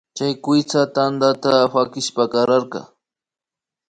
Chay kuytsa tandata kuchushpa kararka